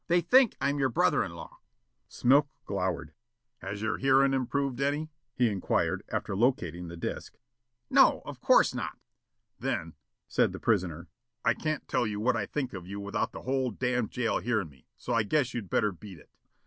They think I'm your brother in law." Smilk glowered. "Has your hearin' improved any?" he inquired, after locating the disc. "No, of course not." "Then," said the prisoner, "I can't tell you what I think of you without the whole damn' jail hearin' me, so I guess you'd better beat it."